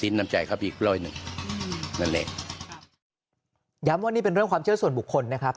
นั่นแหละย้ำว่านี่เป็นเรื่องความเชื่อส่วนบุคคลนะครับ